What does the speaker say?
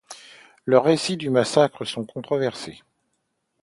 Leurs récits du massacre sont controversés.